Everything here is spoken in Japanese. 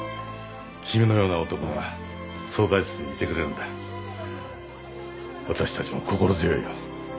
君のような男が相談室にいてくれるんだ私たちも心強いよ。